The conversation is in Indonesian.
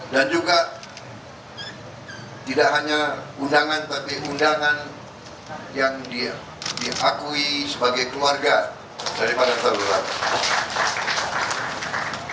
dan juga tidak hanya undangan tapi undangan yang diakui sebagai keluarga daripada terdorongan